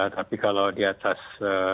tapi kalau di atas